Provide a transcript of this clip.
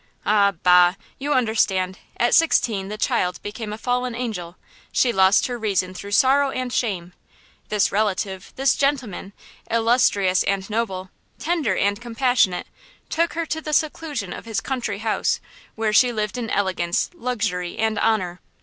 Ah, bah! you understand! at sixteen the child became a fallen angel! She lost her reason through sorrow and shame. This relative–this gentleman, illustrious and noble, tender and compassionate–took her to the seclusion of his country house, where she lived in elegance, luxury and honor.